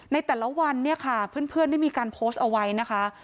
ในแต่ละวันเนี่ยค่ะเพื่อนได้มีการโพสต์เอาไว้นะคะ